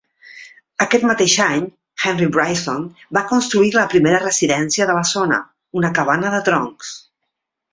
Aquest mateix any, Henry Bryson va construir la primera residència de la zona, una cabana de troncs.